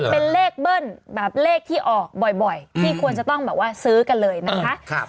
เป็นเลขเบิ้ลแบบเลขที่ออกบ่อยที่ควรจะต้องแบบว่าซื้อกันเลยนะคะ